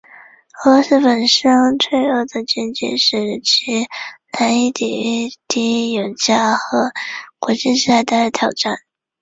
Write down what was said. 俄罗斯本身脆弱的经济使其难以抵御低油价和国际制裁带来的挑战。